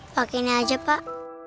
pak ini aja pak